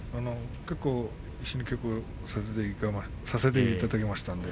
一緒に稽古をさせていただきました。